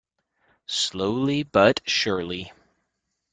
Slowly but surely.